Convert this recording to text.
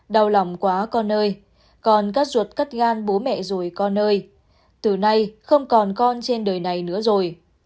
đau lòng quá con ơi con cắt ruột cắt gan bố mẹ rồi con ơi từ nay không còn con trên đời này nữa rồi